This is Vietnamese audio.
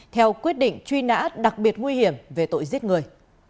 theo quyết định truy nã đặc biệt nguy hiểm về tội giết người